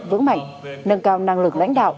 vững mạnh nâng cao năng lực lãnh đạo